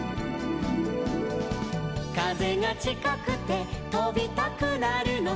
「風がちかくて飛びたくなるの」